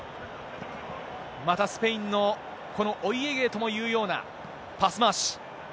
またスペインの、このお家芸とも言うようなパス回し。